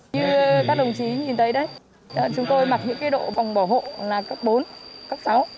như các đồng chí nhìn thấy đấy chúng tôi mặc những cái độ bòng bỏ hộ là các bốn các sáu